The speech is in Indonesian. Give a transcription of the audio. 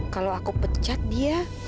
kalau aku pecat dia